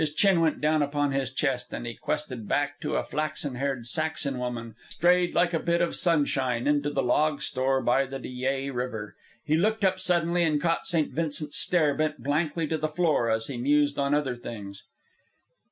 His chin went down upon his chest and he quested back to a flaxen haired Saxon woman, strayed like a bit of sunshine into the log store by the Dyea River. He looked up suddenly, and caught St. Vincent's stare bent blankly to the floor as he mused on other things.